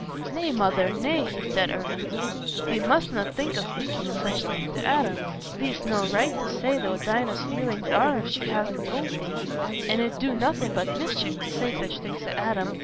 "Nay, Mother, nay," he said, earnestly, "thee mustna think o' speaking o' such things to Adam. Thee'st no right to say what Dinah's feelings are if she hasna told thee, and it 'ud do nothing but mischief to say such things to Adam.